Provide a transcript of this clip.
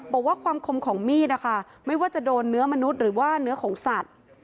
บอกว่าความคมของมีดนะคะไม่ว่าจะโดนเนื้อมนุษย์หรือว่าเนื้อของสัตว์